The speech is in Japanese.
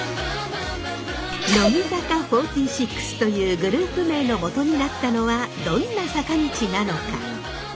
乃木坂４６というグループ名のもとになったのはどんな坂道なのか？